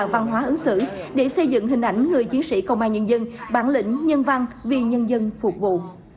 văn hóa ứng xử để xây dựng hình ảnh người chiến sĩ công an nhân dân bản lĩnh nhân văn vì nhân dân phục vụ